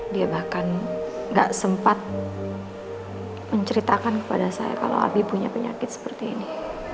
dia bahkan gak sempat menceritakan kepada saya kalau abi punya penyakit seperti ini